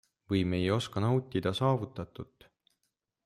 Või me ei oska nautida saavutatut?